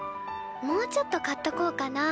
もうちょっと買っとこうかな。